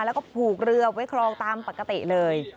แล้วก็ผูกเรือไว้ครองตามปกติเลย